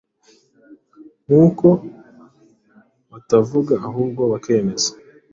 nk’uko batavuga ahubwo bakemeza